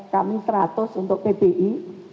kami seratus untuk pbi